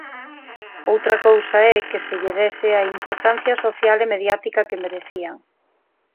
Outra cousa é que se lle dese a importancia social e mediática que merecían.